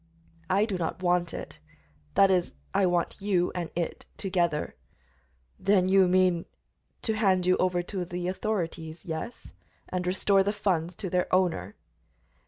"I do not want it; that is, I want you and it together." "Then you mean " "To hand you over to the authorities, yes, and restore the funds to their owner."